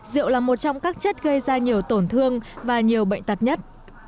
rượu là một trong các chất gây ra nhiều tổn thương và nhiều bệnh tật nhất